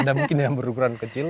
ada mungkin yang berukuran kecil